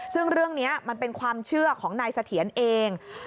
ซึ่งเรื่องนี้มันเป็นความเชื่อของนายเสถียรเอง